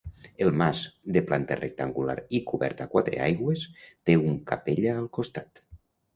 El Mas, de planta rectangular i cobert a quatre aigües, té un capella al costat.